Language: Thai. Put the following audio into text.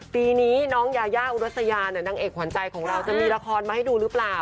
ปีนี้น้องยายาอุรัสยานางเอกขวัญใจของเราจะมีละครมาให้ดูหรือเปล่า